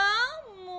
もう。